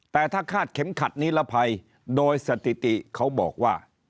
แต่ถ้าคาดเข็มขัดนิรภัยโดยสถิติเขาบอกว่า